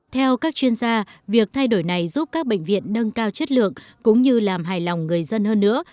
theo các chuyên gia việc thay đổi này giúp các bệnh viện nâng cao chất lượng cũng như làm hài lòng người dân hơn nữa